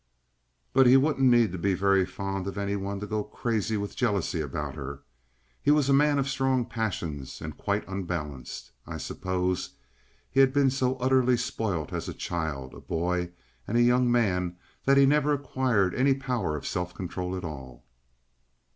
But he wouldn't need to be very fond of any one to go crazy with jealousy about her. He was a man of strong passions and quite unbalanced. I suppose he had been so utterly spoilt as a child, a boy, and a young man, that he never acquired any power of self control at all."